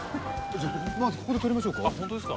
ここで撮りましょうか？